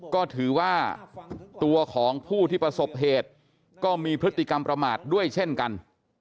ก็ถือว่าตัวของผู้ที่ประสบเหตุก็มีพฤติกรรมประมาทด้วยเช่นกัน